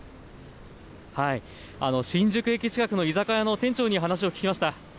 新宿駅近くの居酒屋の店長に話を聞きました。